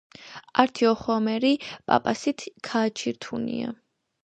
ართი ოხვამერი პაპასითი ქააჩირთუნია